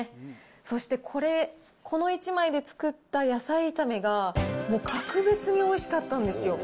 そしてこれ、この１枚で作った野菜炒めが、もう格別においしかったんですよ。